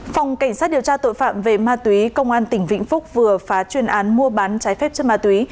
phòng cảnh sát điều tra tội phạm về ma túy công an tỉnh vĩnh phúc vừa phá chuyên án mua bán trái phép chất ma túy